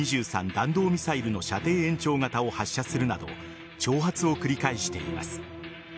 弾道ミサイルの射程延長型を発射するなど挑発を繰り返しています。